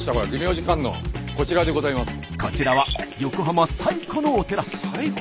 こちらは横浜最古のお寺。